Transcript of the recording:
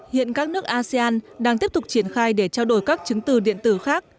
hiện các nước asean đang tiếp tục triển khai để trao đổi các chứng từ điện tử khác